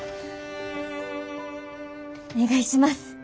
お願いします。